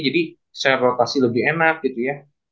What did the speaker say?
jadi share rotasi lebih enak gitu ya